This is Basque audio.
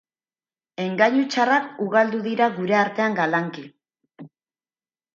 Engainu txarrak ugaldu dira gure artean galanki.